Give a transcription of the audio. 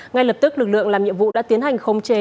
ngay lập tức lực lượng làm nhiệm vụ đã tiến hành khống chế